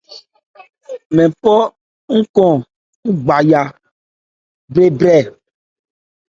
Mɛn phɔ nkɔn ngbawa brɛ́brɛ.